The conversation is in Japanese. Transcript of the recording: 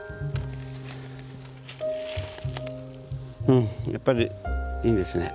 うんやっぱりいいですね。